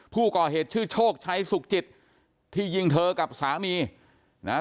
ผู้ก่อเหตุชื่อโชคชัยสุขจิตที่ยิงเธอกับสามีนะฮะ